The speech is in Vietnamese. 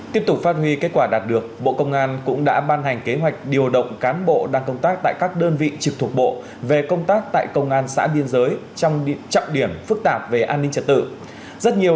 tiếp tục phát huy kết quả đạt được bộ công an cũng đã ban hành kế hoạch điều động cán bộ đang công tác tại các đơn vị trực thuộc bộ về công tác tại công an xã biên giới trong trọng điểm phức tạp về an ninh trật tự